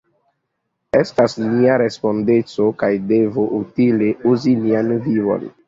Estas nia respondeco kaj devo utile uzi nian vivon.